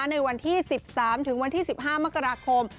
ในวันที่๑๓ถึงวันที่๑๕มกราคม